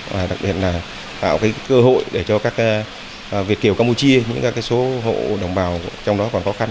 và đặc biệt là tạo cơ hội để cho các việt kiều campuchia những các số hộ đồng bào trong đó còn khó khăn